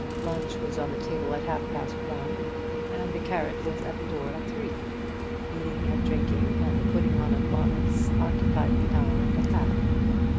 Lunch was on the table at half past one, and the carriage was at the door at three. Eating and drinking and the putting on of bonnets occupied the hour and a half.